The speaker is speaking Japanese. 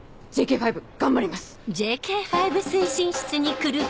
ＪＫ５頑張ります！